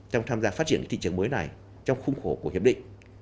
trong tham gia phát triển thị trường mới này trong khung khổ của hiệp định